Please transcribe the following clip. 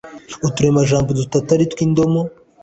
uturemajambo dutatu ari two indomo,